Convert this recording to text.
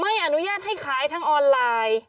ไม่อนุญาตให้ขายทางออนไลน์